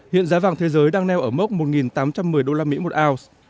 hiện giá vàng thế giới đang neo ở mốc một tám trăm một mươi usd một ounce